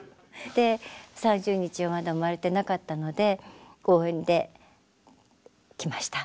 ３０日はまだ産まれてなかったので応援で来ました。